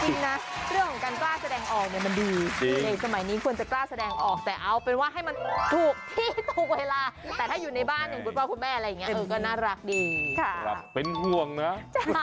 จริงนะเรื่องของการกล้าแสดงออกเนี่ยมันดีในสมัยนี้ควรจะกล้าแสดงออกแต่เอาเป็นว่าให้มันถูกที่ถูกเวลาแต่ถ้าอยู่ในบ้านอย่างคุณพ่อคุณแม่อะไรอย่างนี้ก็น่ารักดีเป็นห่วงนะ